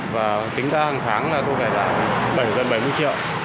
và tính ra hàng tháng là gần bảy mươi triệu